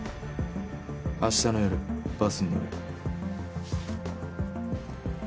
明日の夜バスに乗れ。